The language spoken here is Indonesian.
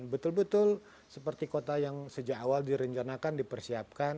dan betul betul seperti kota yang sejak awal direncanakan dipersiapkan